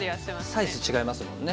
サイズ違いますもんね。